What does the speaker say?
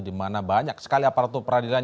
dimana banyak sekali aparatur peradilan